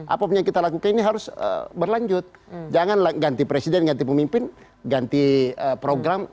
apa punya kita akan ini harus lanjut jangan ganti presidennya di pemimpin ganti program